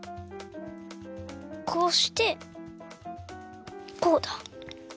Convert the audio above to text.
こうしてこうだ。